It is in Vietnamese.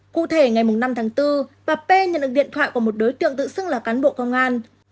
cụ thể ngày năm tháng bốn bà p nhận được điện thoại của một đối tượng tự xưng là cán bộ công an